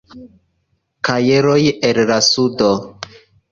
Kajeroj el la Sudo.